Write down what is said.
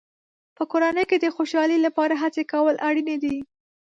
په کورنۍ کې د خوشحالۍ لپاره هڅې کول اړینې دي.